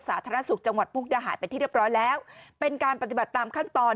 สาธารณสุขจังหวัดมุกดาหารเป็นที่เรียบร้อยแล้วเป็นการปฏิบัติตามขั้นตอน